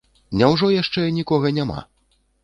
Няўжо яшчэ нікога няма?